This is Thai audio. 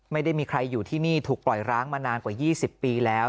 ไม่ได้มีใครอยู่ที่นี่ถูกปล่อยร้างมานานกว่า๒๐ปีแล้ว